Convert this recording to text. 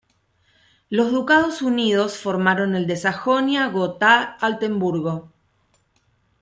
Los ducados unidos formaron el de Sajonia-Gotha-Altenburgo.